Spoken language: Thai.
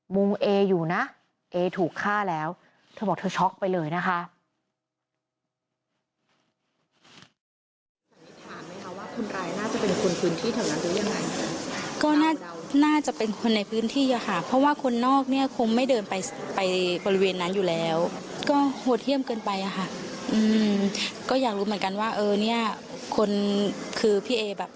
มูเออยู่นะเอถูกฆ่าแล้วเธอบอกเธอช็อกไปเลยนะคะ